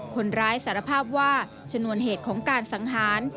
คนร้ายสารภาพว่าชนวนเหตุของการสังหาร